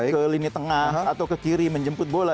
ke lini tengah atau ke kiri menjemput bola